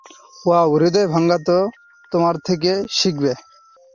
Wow, হৃদয় ভাঙ্গা তো তোমার থেকে শিখবে।